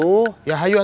bagaimana kan tuhan